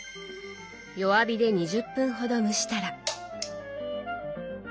弱火で２０分ほど蒸したら。